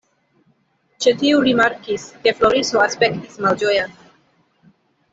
Ĉe tiu rimarkis, ke Floriso aspektas malĝoja.